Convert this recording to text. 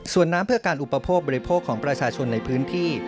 ส่วนน้ำเพื่อการอุปโภคบริโภคของประชาชนในพื้นที่